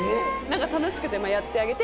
楽しくてやってあげて。